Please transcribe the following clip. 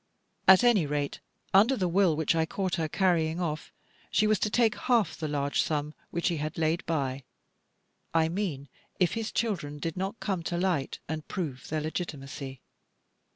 At any rate, under the will which I caught her carrying off, she was to take half of the large sum which he had laid by; I mean if his children did not come to light, and prove their legitimacy.